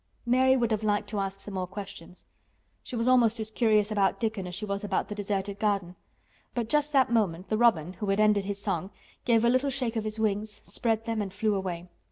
Mary would have liked to ask some more questions. She was almost as curious about Dickon as she was about the deserted garden. But just that moment the robin, who had ended his song, gave a little shake of his wings, spread them and flew away.